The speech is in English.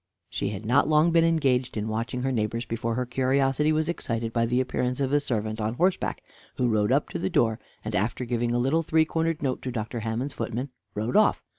She had not long been engaged in watching her neighbors before her curiosity was excited by the appearance of a servant on horseback, who rode up to the door, and, after giving a little three cornered note to Dr. Hammond's footman, rode off.